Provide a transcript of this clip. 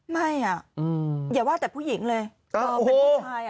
ไม่อ่ะอย่าว่าแต่ผู้หญิงเลย